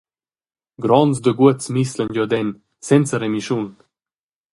Gronds daguots mislan giuaden senza remischun.